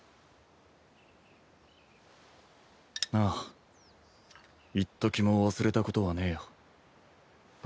ああいっときも忘れたことはねえよ。